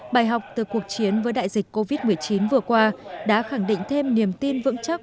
bài học từ cuộc chiến với đại dịch covid một mươi chín vừa qua đã khẳng định thêm niềm tin vững chắc